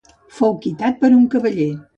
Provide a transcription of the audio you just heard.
Fou quitat per un cavaller.